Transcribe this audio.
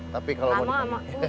tapi kalau mau diganteng